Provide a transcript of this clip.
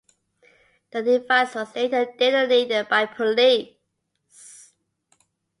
The device was later detonated by police.